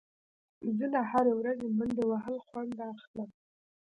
زه له هره ورځ منډه وهل خوند اخلم.